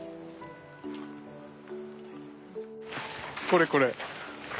これこれ。